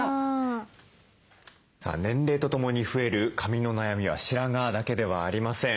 年齢とともに増える髪の悩みは白髪だけではありません。